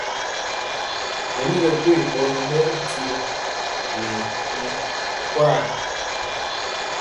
Mɛ mi kɛ gwee ɓɔnɔ ɓɛ jiwɔ nɛ i nkwaa.